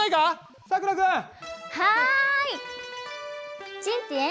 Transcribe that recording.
はい！